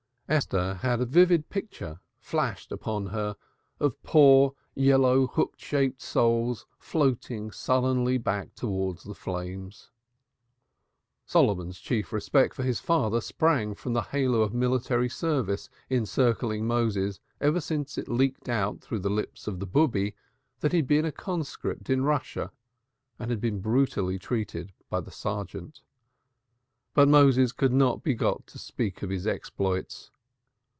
Esther had a vivid picture flashed upon her of poor, yellow hook shaped souls floating sullenly back towards the flames. Solomon's chief respect for his father sprang from the halo of military service encircling Moses ever since it leaked out through the lips of the Bube, that he had been a conscript in Russia and been brutally treated by the sergeant. But Moses could not be got to speak of his exploits.